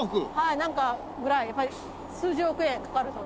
なんかぐらいやっぱり数十億円かかるそうですね。